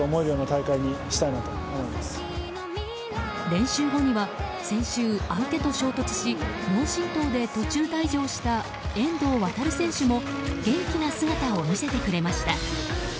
練習後には、先週相手と衝突し脳振とうで途中退場した遠藤航選手も元気な姿を見せてくれました。